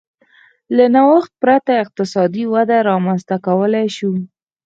له نوښت پرته اقتصادي وده رامنځته کولای شوای.